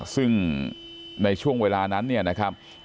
ซึ่งในช่วงเวลานั้นเนี่ยนะครับ